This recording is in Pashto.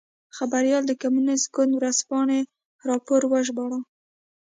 خبریال د کمونېست ګوند ورځپاڼې راپور وژباړه.